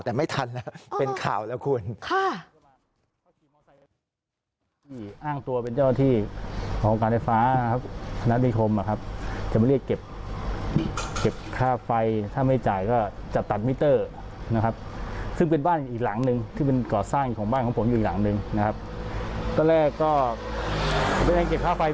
แต่ไม่ทันแล้วเป็นข่าวแล้วคุณ